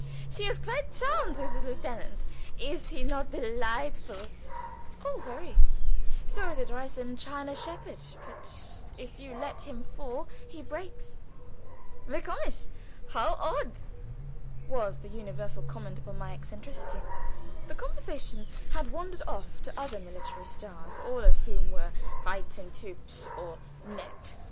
she is quite charmed with the Herr Lieutenant! Is he not delightful?" "Oh, very; so is a Dresden china shepherd, but if you let him fall he breaks." "Wie komisch! how odd!" was the universal comment upon my eccentricity. The conversation had wandered off to other military stars, all of whom were reizend, hübsch, or nett.